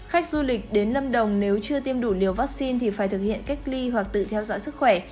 khách du lịch đến lâm đồng nếu chưa tiêm đủ liều vaccine thì phải thực hiện cách ly hoặc tự theo dõi sức khỏe